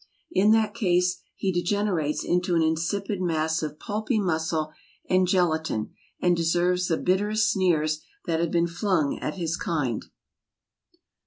In that case he degenerates into an insipid mass of pulpy muscle and gelatine, and deserves the bitterest sneers that have been flung at his kind.